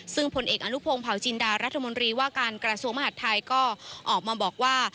ซึ่งผลเอกอนุพงศ์เผาจินดารัฐมนตรีว่าการกระทรวงมหาดไทยก็ออกมาบอกว่า